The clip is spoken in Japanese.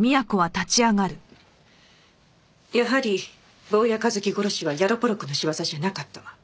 やはり坊谷一樹殺しはヤロポロクの仕業じゃなかったわ。